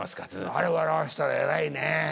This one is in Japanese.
あれ笑わしたら偉いね。